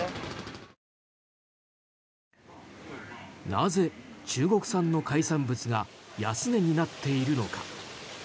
なぜ中国産の海産物が安値になっているのか。